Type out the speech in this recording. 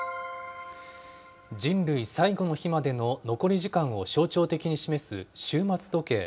人類最後の日までの残り時間を象徴的に示す終末時計。